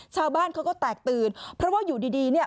ชาวบ้านเขาก็แตกตื่นเพราะว่าอยู่ดีดีเนี่ย